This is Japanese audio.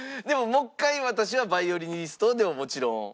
でも「もう一回私はバイオリニスト」でももちろん。